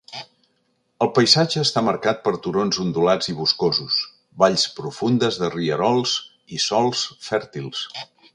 El paisatge està marcat per turons ondulats i boscosos, valls profundes de rierols i sòls fèrtils.